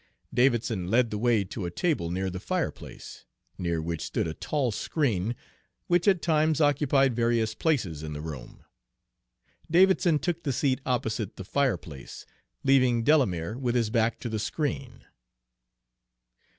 Davidson led the way to a table near the fireplace, near which stood a tall screen, which at times occupied various places in the room. Davidson took the seat opposite the fireplace, leaving Delamere with his back to the screen.